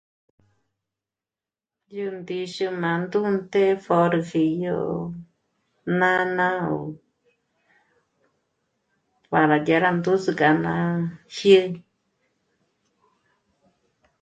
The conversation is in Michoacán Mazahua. Yó ndíxu m'ândǔnte pjörüji yó nána o para j'arándúsü k'âná jié'e